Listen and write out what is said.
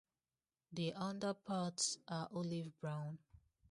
The underparts are olive-brown.